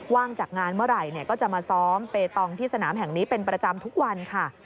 ว่างจากงานเมื่อไหร่ก็จะมาซ้อมเปตองที่สนามแห่งนี้เป็นประจำทุกวันค่ะ